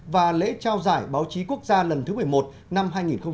và lễ trao giải báo chí quốc gia lần thứ một mươi một năm hai nghìn một mươi sáu